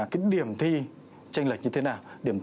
cái điểm thi tranh lệch như thế nào